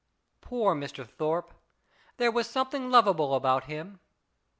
Poor Mr. Thorpe ! There was something lovable about him.